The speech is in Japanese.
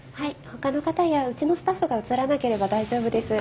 ほかの方やうちのスタッフが写らなければ大丈夫です。